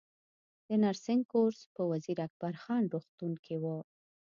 د نرسنګ کورس په وزیر اکبر خان روغتون کې و